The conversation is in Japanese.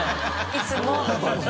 いつも。